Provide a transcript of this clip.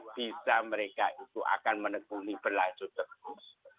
bisa mereka itu akan menekuni berlanjut terus